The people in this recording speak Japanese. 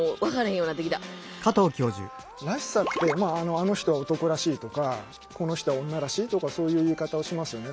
「あの人は男らしい」とか「この人は女らしい」とかそういう言い方をしますよね。